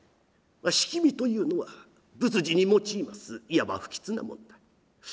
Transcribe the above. しきみというのは仏事に用いますいわば不吉なものだ。